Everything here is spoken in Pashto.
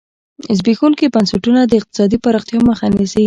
زبېښونکي بنسټونه د اقتصادي پراختیا مخه نیسي.